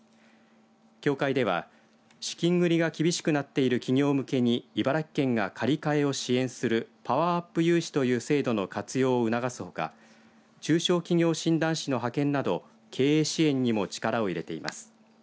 協会では資金繰りが厳しくなっている企業向けに茨城県が借り換えを支援するパワーアップ融資という制度の活用を促すほか中小企業診断士の派遣など経営支援にも力を入れています。